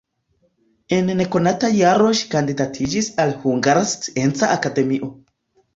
En nekonata jaro ŝi kandidatiĝis al Hungara Scienca Akademio.